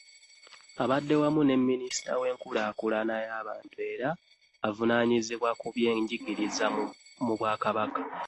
Abadde wamu ne Minisita w'enkulaakulana y'abantu era avunaanyizibwa ku by'enjigiriza mu Bwakabaka